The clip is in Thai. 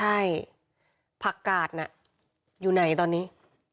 ใช่ผักกาดน่ะอยู่ไหนตอนนี้